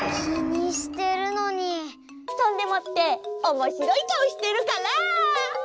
そんでもっておもしろいかおしてるから！